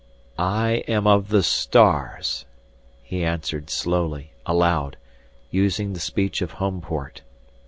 "I am of the stars," he answered slowly, aloud, using the speech of Homeport.